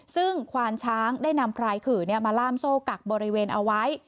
ซึ่งควานช้างได้นำพรายขื่อมาล่ามโซ่กักบริเวณเอาไว้